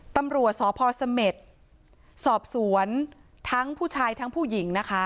ตำรวจสพเสม็ดสอบสวนทั้งผู้ชายทั้งผู้หญิงนะคะ